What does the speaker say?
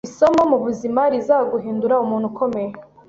Isomo mubuzima rizaguhindura umuntu ukomeye